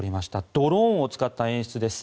ドローンを使った演出です。